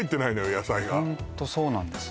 野菜がホントそうなんです